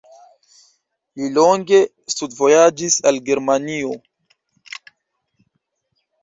Li longe studvojaĝis al Germanio.